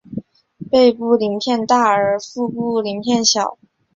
背部鳞片大而腹部鳞片小。